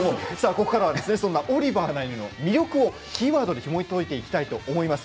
ここからはですね、そんな「オリバーな犬」の魅力をキーワードでひもといていきたいと思います。